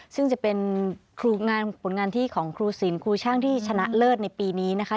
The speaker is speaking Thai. ซึ่งจะเป็นผลงานที่ของครูศิลปครูช่างที่ชนะเลิศในปีนี้นะคะ